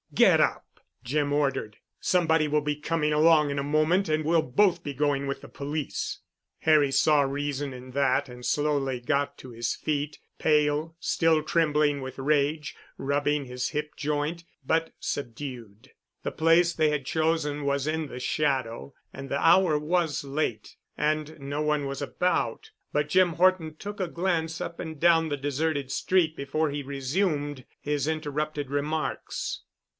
"Get up!" Jim ordered. "Somebody will be coming along in a moment and we'll both be going with the police." Harry saw reason in that and slowly got to his feet, pale, still trembling with rage, rubbing his hip joint, but subdued. The place they had chosen was in the shadow and the hour was late, and no one was about, but Jim Horton took a glance up and down the deserted street before he resumed his interrupted remarks.